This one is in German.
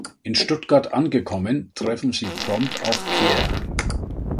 In Stuttgart angekommen, treffen sie prompt auf Pierre.